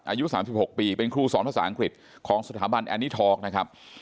อายุ๓๖ปีเป็นครูสอนภาษาอังกฤษของสถาบันแอนิทอล์กนะครับ